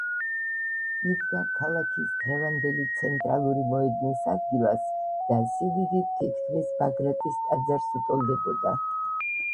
იდგა ქალაქის დღევანდელი ცენტრალური მოედნის ადგილას და სიდიდით თითქმის ბაგრატის ტაძარს უტოლდებოდა.